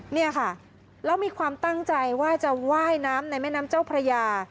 เนี่ยค่ะแล้วมีความตั้งใจว่าจะว่ายน้ำในแม่น้ำเจ้าพระยา